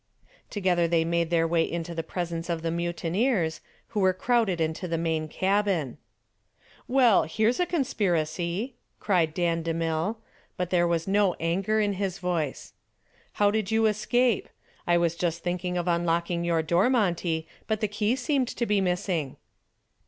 Together they made their way into the presence of the mutineers, who were crowded into the main cabin. "Well, here's a conspiracy," cried Dan DeMille, but there was no anger in his voice. "How did you escape? I was just thinking of unlocking your door, Monty, but the key seemed to be missing."